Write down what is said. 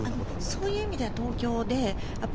そういう意味では東京で。